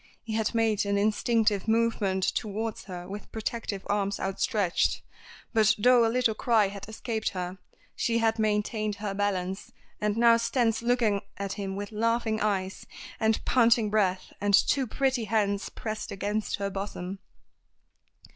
He had made an instinctive movement towards her with protective arms outstretched; but though a little cry had escaped her, she had maintained her balance, and now stands looking at him with laughing eyes, and panting breath, and two pretty hands pressed against her bosom.